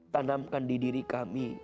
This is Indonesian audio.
tanamkan di diri kami